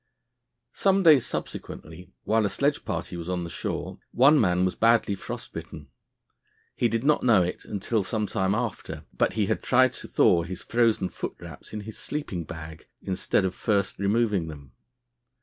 Some days subsequently, while a sledge party was on shore, one man was badly frost bitten. He did not know it until some time after, but he had tried to thaw his frozen foot wraps in his sleeping bag instead of first removing them.